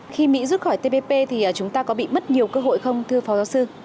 khi mỹ rút khỏi tpp thì chúng ta có bị mất nhiều cơ hội không thưa phó giáo sư